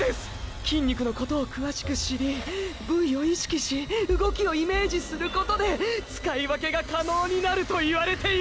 筋肉のことを詳しく知り部位を「意識」し動きを「イメージ」することで使い分けが可能になるといわれている。